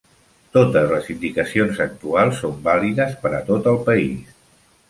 Totes les indicacions actuals són vàlides per a tot el país.